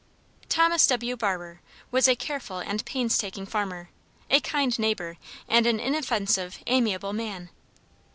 Thomas W. Barber was a careful and painstaking farmer, a kind neighbor, and an inoffensive, amiable man.